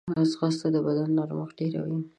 ځغاسته د بدن نرمښت ډېروي